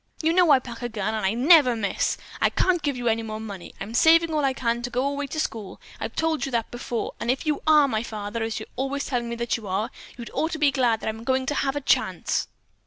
You know I pack a gun, and I never miss. I can't give you any more money. I'm saving all I can to go away to school. I've told you that before, and if you are my father, as you're always telling me that you are, you'd ought to be glad if I'm going to have a chance."